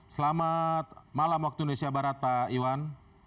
selamat malam waktu indonesia barat pak iwan